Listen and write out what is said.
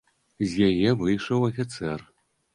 З яе выйшаў афіцэр.